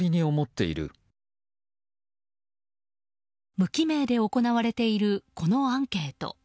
無記名で行われているこのアンケート。